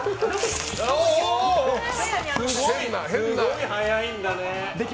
すごい速いんだね。